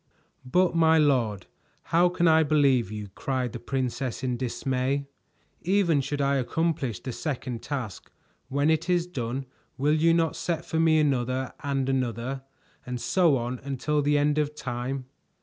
"But, my lord, how can I believe you?" cried the princess in dismay. "Even should I accomplish the second task, when it is done will you not set for me another and another, and so on until the end of time?"